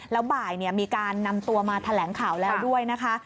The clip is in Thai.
แล้วบ่ายมีการนำตัวมาแถลงข่าวแล้วด้วยนะคะ